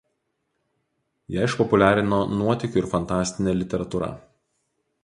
Ją išpopuliarino nuotykių ir fantastinė literatūra.